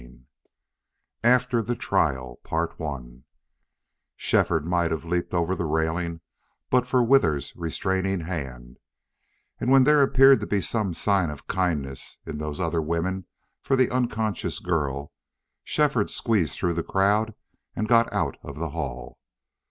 XI. AFTER THE TRIAL Shefford might have leaped over the railing but for Withers's restraining hand, and when there appeared to be some sign of kindness in those other women for the unconscious girl Shefford squeezed through the crowd and got out of the hall.